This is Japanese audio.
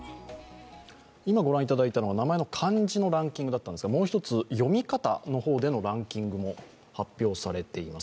今、ご覧いただいたのは名前の漢字のランキングだったんですがもう一つ、読み方の方でのランキングも発表されています。